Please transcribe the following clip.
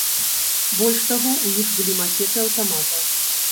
Больш таго, у іх былі макеты аўтаматаў.